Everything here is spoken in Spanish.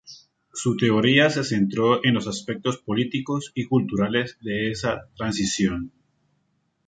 Su teoría se centró en los aspectos políticos y culturales de esa transición.